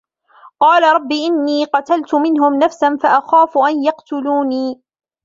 قَالَ رَبِّ إِنِّي قَتَلْتُ مِنْهُمْ نَفْسًا فَأَخَافُ أَنْ يَقْتُلُونِ